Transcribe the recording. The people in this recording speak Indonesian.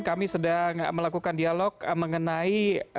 kami sedang melakukan dialog mengenai